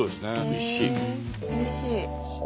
おいしい！